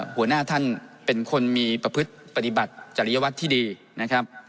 หัวหน้าท่านเป็นคนมีประพฤติปฏิบัติจริยวัตรที่ดีนะครับ